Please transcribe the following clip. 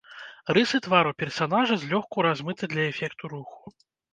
Рысы твару персанажа злёгку размыты для эфекту руху.